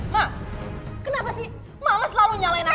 mak kenapa sih mama selalu nyalain aku